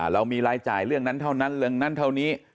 เรามีรายจ่ายเรื่องนั้นเท่านั้นเรื่องนั้นเท่านี้